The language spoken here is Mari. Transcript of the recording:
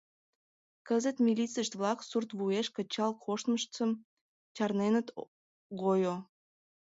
Кызыт милицышт-влак сурт вуеш кычал коштмыштым чарненыт гойо...